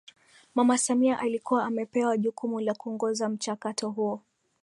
Mama Samia alikuwa amepewa jukumu la kuongoza mchakato huo